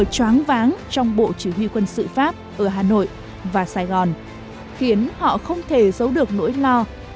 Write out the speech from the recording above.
xin chào và hẹn gặp lại